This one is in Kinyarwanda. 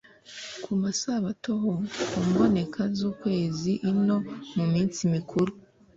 Ku masabato h ku mboneko z ukwezi i no mu minsi mikuru